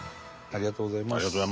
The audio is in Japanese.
ありがとうございます。